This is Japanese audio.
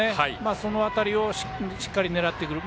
その辺りをしっかり狙ってくる。